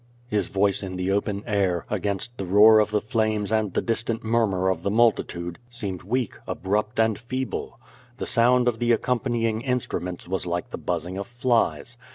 His voice in the open air, against the roar of the flames and the distant murmur of the multitude, seemed weak, ab rupt, and feeble. The sound of Ihe accompanying instruments was like the buzzing of flies.